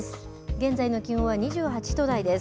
現在の気温は２８度台です。